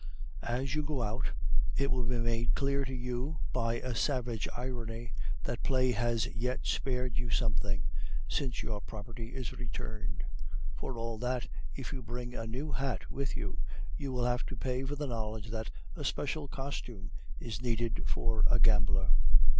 As you go out, it will be made clear to you, by a savage irony, that Play has yet spared you something, since your property is returned. For all that, if you bring a new hat with you, you will have to pay for the knowledge that a special costume is needed for a gambler.